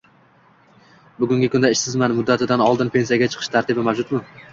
Bugungi kunda ishsizman, muddatidan oldin pensiyaga chiqish tartibi mavjudmi?